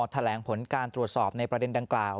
แถลงผลการตรวจสอบในประเด็นดังกล่าว